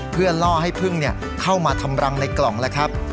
เพื่อล่อให้พึ่งเข้ามาทำรังในกล่องแล้วครับ